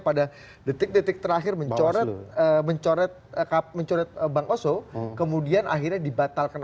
ada detik detik terakhir mencoret mencoret mencoret bangoso kemudian akhirnya dibatalkan